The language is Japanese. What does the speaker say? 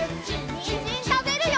にんじんたべるよ！